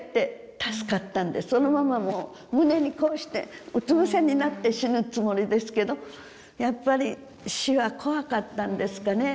そのままもう胸にこうしてうつ伏せになって死ぬつもりですけどやっぱり死は怖かったんですかね。